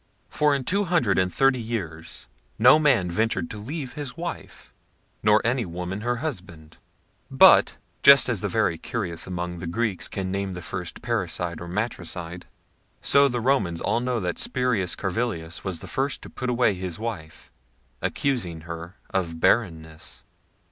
For in two hundred and thirty years no man ventured to leave his wife, nor any woman her husband; but, just as the very curious among the Greeks can name the first parricide or matricide, so the Romans all know that Spurius Carvilius was the first to put away his wife, accusing her of barrenness.